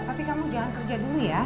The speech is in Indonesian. tapi kamu jangan kerja dulu ya